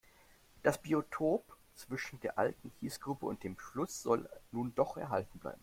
Das Biotop zwischen der alten Kiesgrube und dem Fluss soll nun doch erhalten bleiben.